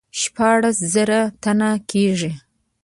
شپاړس زره تنه کیږي.